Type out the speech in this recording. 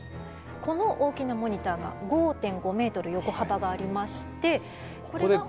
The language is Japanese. この大きなモニターが５．５メートル横幅がありましてこれが。